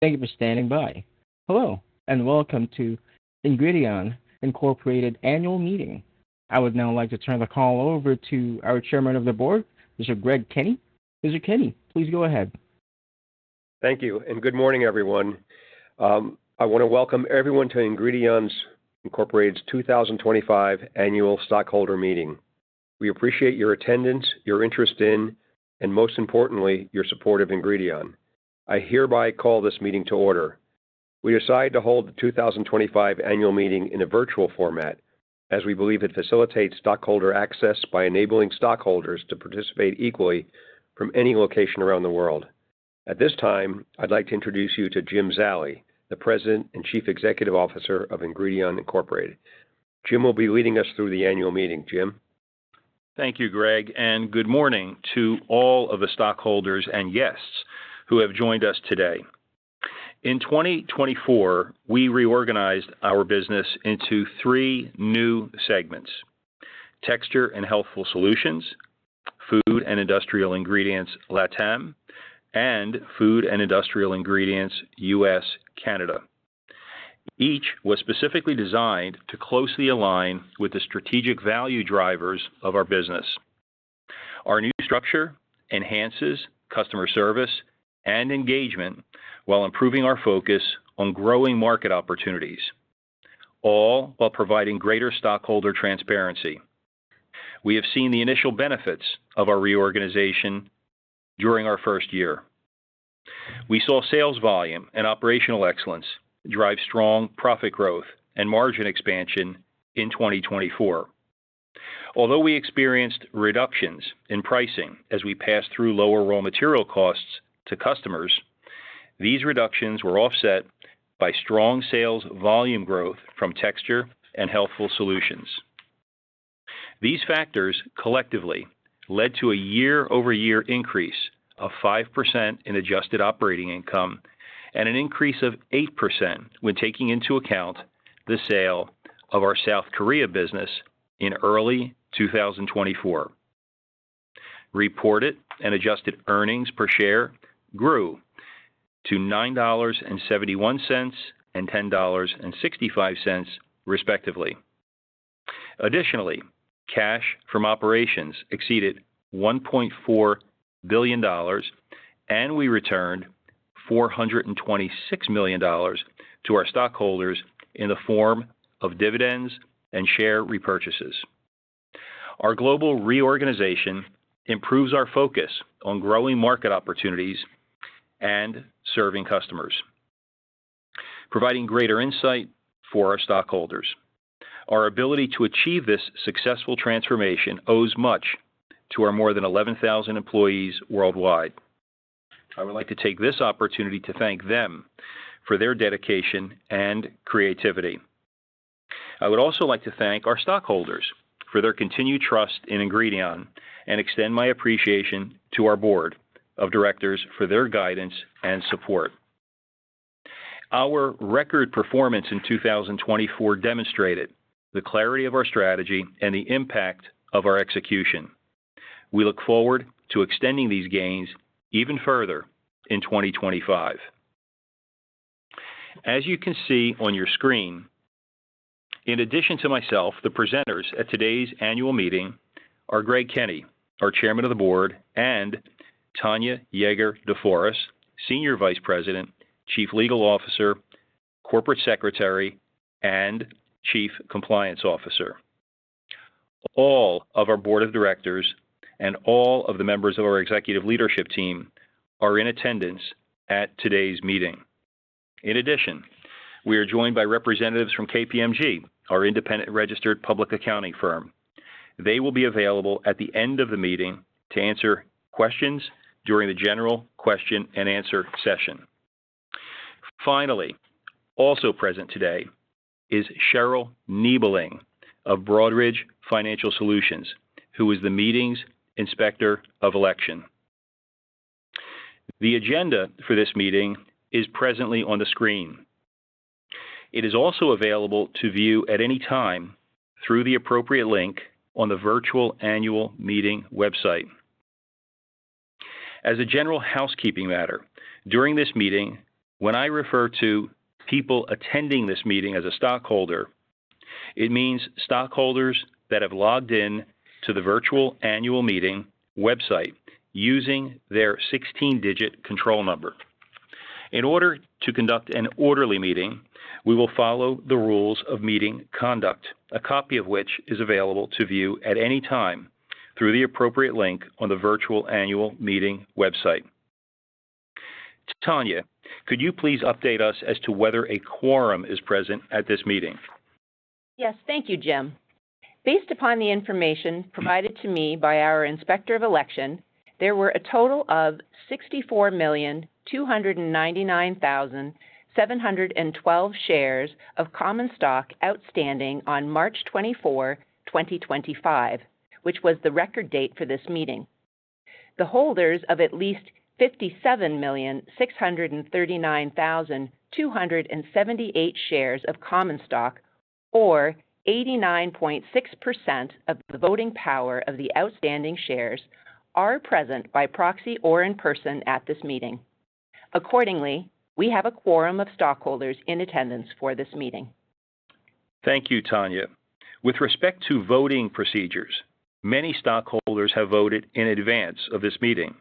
Thank you for standing by. Hello and welcome to Ingredion Incorporated's annual meeting. I would now like to turn the call over to our Chairman of the Board, Mr. Greg Kenny. Mr. Kenny, please go ahead. Thank you and good morning, everyone. I want to welcome everyone to Ingredion Incorporated's 2025 annual stockholder meeting. We appreciate your attendance, your interest in, and most importantly, your support of Ingredion. I hereby call this meeting to order. We decided to hold the 2025 annual meeting in a virtual format as we believe it facilitates stockholder access by enabling stockholders to participate equally from any location around the world. At this time, I'd like to introduce you to Jim Zallie, the President and Chief Executive Officer of Ingredion Incorporated. Jim will be leading us through the annual meeting. Jim. Thank you, Greg, and good morning to all of the stockholders and guests who have joined us today. In 2024, we reorganized our business into three new segments: Texture and Healthful Solutions, Food and Industrial Ingredients Latam, and Food and Industrial Ingredients US Canada. Each was specifically designed to closely align with the strategic value drivers of our business. Our new structure enhances customer service and engagement while improving our focus on growing market opportunities, all while providing greater stockholder transparency. We have seen the initial benefits of our reorganization during our first year. We saw sales volume and operational excellence drive strong profit growth and margin expansion in 2024. Although we experienced reductions in pricing as we passed through lower raw material costs to customers, these reductions were offset by strong sales volume growth from Texture and Healthful Solutions. These factors collectively led to a year-over-year increase of 5% in adjusted operating income and an increase of 8% when taking into account the sale of our South Korea business in early 2024. Reported and adjusted earnings per share grew to $9.71 and $10.65, respectively. Additionally, cash from operations exceeded $1.4 billion, and we returned $426 million to our stockholders in the form of dividends and share repurchases. Our global reorganization improves our focus on growing market opportunities and serving customers, providing greater insight for our stockholders. Our ability to achieve this successful transformation owes much to our more than 11,000 employees worldwide. I would like to take this opportunity to thank them for their dedication and creativity. I would also like to thank our stockholders for their continued trust in Ingredion and extend my appreciation to our Board of Directors for their guidance and support. Our record performance in 2024 demonstrated the clarity of our strategy and the impact of our execution. We look forward to extending these gains even further in 2025. As you can see on your screen, in addition to myself, the presenters at today's annual meeting are Greg Kenny, our Chairman of the Board, and Tanya Jaeger de Foras, Senior Vice President, Chief Legal Officer, Corporate Secretary, and Chief Compliance Officer. All of our Board of Directors and all of the members of our executive leadership team are in attendance at today's meeting. In addition, we are joined by representatives from KPMG, our independent registered public accounting firm. They will be available at the end of the meeting to answer questions during the general question and answer session. Finally, also present today is Cheryl Niebeling of Broadridge Financial Solutions, who is the Meetings Inspector of Election. The agenda for this meeting is presently on the screen. It is also available to view at any time through the appropriate link on the virtual annual meeting website. As a general housekeeping matter, during this meeting, when I refer to people attending this meeting as a stockholder, it means stockholders that have logged in to the virtual annual meeting website using their 16-digit control number. In order to conduct an orderly meeting, we will follow the rules of meeting conduct, a copy of which is available to view at any time through the appropriate link on the virtual annual meeting website. Tanya, could you please update us as to whether a quorum is present at this meeting? Yes, thank you, Jim. Based upon the information provided to me by our Inspector of Election, there were a total of 64,299,712 shares of common stock outstanding on March 24, 2025, which was the record date for this meeting. The holders of at least 57,639,278 shares of common stock, or 89.6% of the voting power of the outstanding shares, are present by proxy or in person at this meeting. Accordingly, we have a quorum of stockholders in attendance for this meeting. Thank you, Tanya. With respect to voting procedures, many stockholders have voted in advance of this meeting.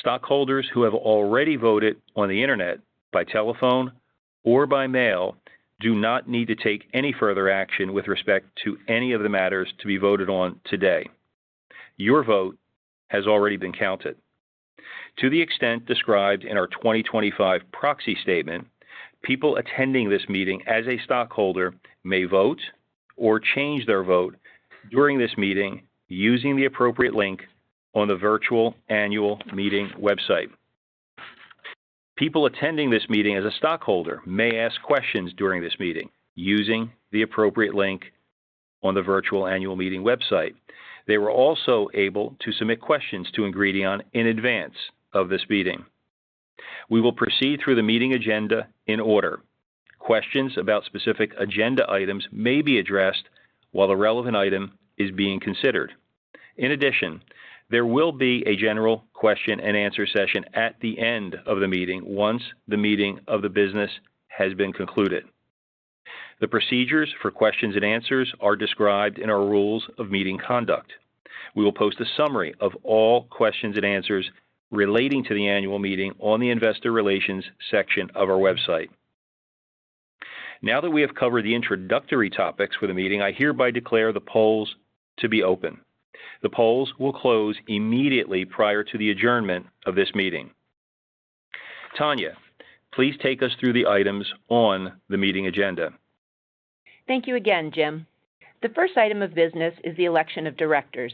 Stockholders who have already voted on the internet, by telephone, or by mail do not need to take any further action with respect to any of the matters to be voted on today. Your vote has already been counted. To the extent described in our 2025 proxy statement, people attending this meeting as a stockholder may vote or change their vote during this meeting using the appropriate link on the virtual annual meeting website. People attending this meeting as a stockholder may ask questions during this meeting using the appropriate link on the virtual annual meeting website. They were also able to submit questions to Ingredion in advance of this meeting. We will proceed through the meeting agenda in order. Questions about specific agenda items may be addressed while the relevant item is being considered. In addition, there will be a general question and answer session at the end of the meeting once the meeting of the business has been concluded. The procedures for questions and answers are described in our rules of meeting conduct. We will post a summary of all questions and answers relating to the annual meeting on the Investor Relations section of our website. Now that we have covered the introductory topics for the meeting, I hereby declare the polls to be open. The polls will close immediately prior to the adjournment of this meeting. Tanya, please take us through the items on the meeting agenda. Thank you again, Jim. The first item of business is the election of directors.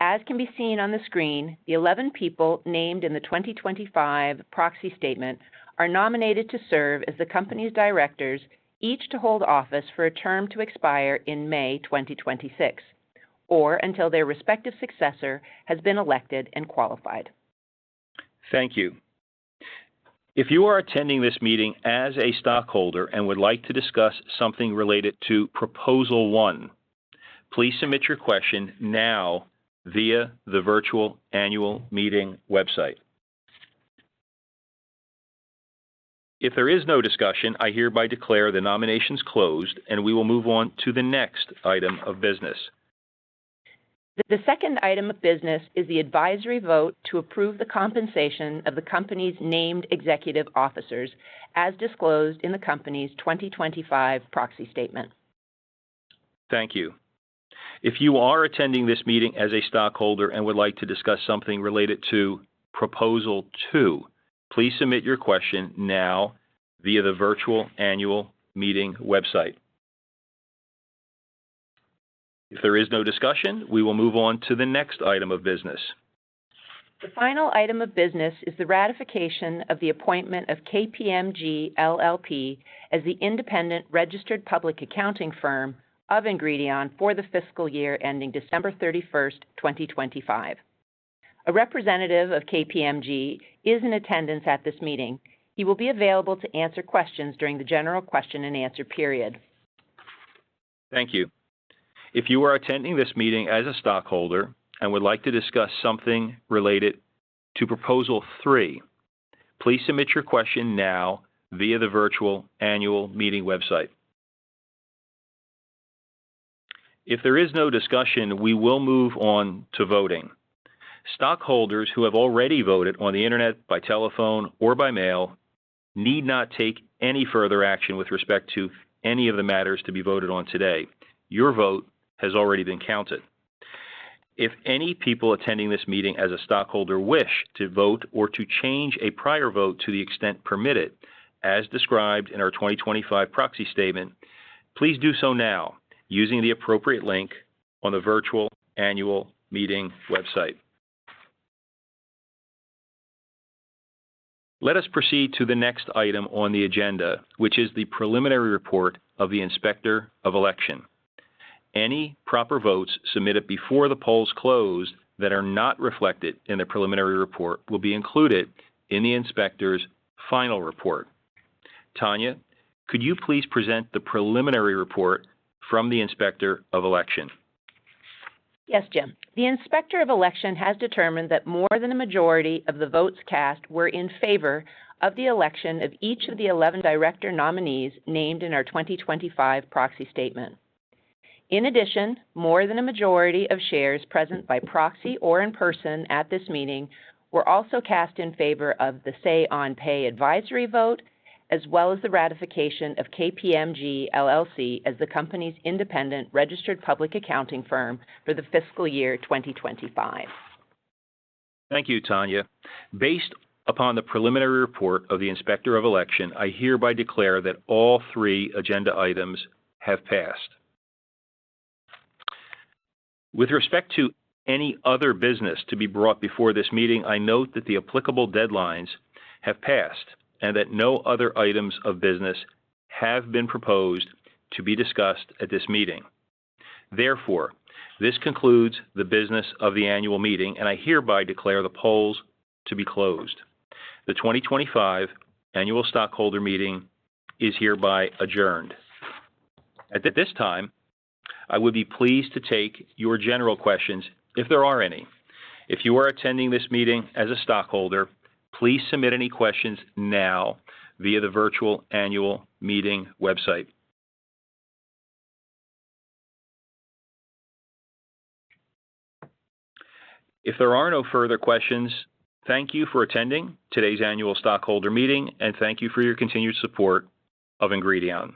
As can be seen on the screen, the 11 people named in the 2025 proxy statement are nominated to serve as the company's directors, each to hold office for a term to expire in May 2026, or until their respective successor has been elected and qualified. Thank you. If you are attending this meeting as a stockholder and would like to discuss something related to Proposal One, please submit your question now via the virtual annual meeting website. If there is no discussion, I hereby declare the nominations closed, and we will move on to the next item of business. The second item of business is the advisory vote to approve the compensation of the company's named executive officers, as disclosed in the company's 2025 proxy statement. Thank you. If you are attending this meeting as a stockholder and would like to discuss something related to Proposal Two, please submit your question now via the virtual annual meeting website. If there is no discussion, we will move on to the next item of business. The final item of business is the ratification of the appointment of KPMG LLP as the independent registered public accounting firm of Ingredion for the fiscal year ending December 31, 2025. A representative of KPMG is in attendance at this meeting. He will be available to answer questions during the general question and answer period. Thank you. If you are attending this meeting as a stockholder and would like to discuss something related to Proposal Three, please submit your question now via the virtual annual meeting website. If there is no discussion, we will move on to voting. Stockholders who have already voted on the internet, by telephone, or by mail need not take any further action with respect to any of the matters to be voted on today. Your vote has already been counted. If any people attending this meeting as a stockholder wish to vote or to change a prior vote to the extent permitted, as described in our 2025 proxy statement, please do so now using the appropriate link on the virtual annual meeting website. Let us proceed to the next item on the agenda, which is the preliminary report of the Inspector of Election. Any proper votes submitted before the polls closed that are not reflected in the preliminary report will be included in the Inspector's final report. Tanya, could you please present the preliminary report from the Inspector of Election? Yes, Jim. The Inspector of Election has determined that more than a majority of the votes cast were in favor of the election of each of the 11 director nominees named in our 2025 proxy statement. In addition, more than a majority of shares present by proxy or in person at this meeting were also cast in favor of the Say On Pay advisory vote, as well as the ratification of KPMG LLP as the company's independent registered public accounting firm for the fiscal year 2025. Thank you, Tanya. Based upon the preliminary report of the Inspector of Election, I hereby declare that all three agenda items have passed. With respect to any other business to be brought before this meeting, I note that the applicable deadlines have passed and that no other items of business have been proposed to be discussed at this meeting. Therefore, this concludes the business of the annual meeting, and I hereby declare the polls to be closed. The 2025 annual stockholder meeting is hereby adjourned. At this time, I would be pleased to take your general questions if there are any. If you are attending this meeting as a stockholder, please submit any questions now via the virtual annual meeting website. If there are no further questions, thank you for attending today's annual stockholder meeting, and thank you for your continued support of Ingredion.